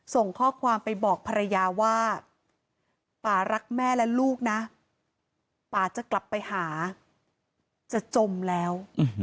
ส่งข้อความไปบอกภรรยาว่าป่ารักแม่และลูกนะป่าจะกลับไปหาจะจมแล้ว